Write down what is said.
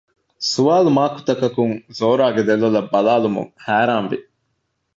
ސުވާލު މާކުތަކަކުން ޒޯރާގެ ދެލޮލަށް ބަލާލަމުން ހައިރާން ވި